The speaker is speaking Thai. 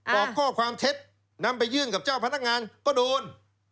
บอกข้อความเท็จนำไปยื่นกับเจ้าพนักงานก็โดน